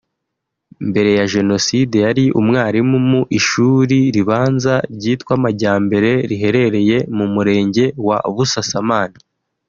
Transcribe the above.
Mbere ya Jenoside yari umwarimu mu ishuri ribanza ryitwa Majyambere riherereye mu Murenge wa Busasamana